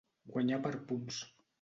Guanyar per punts.